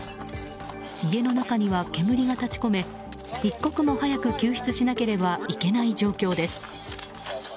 家の中には煙が立ち込め一刻も早く救出しなければいけない状況です。